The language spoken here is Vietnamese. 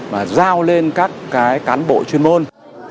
và giao lên các cái cán bộ chuyên môn